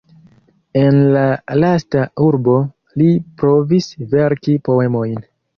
En la lasta urbo li provis verki poemojn.